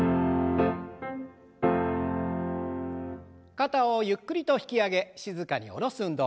肩をゆっくりと引き上げ静かに下ろす運動。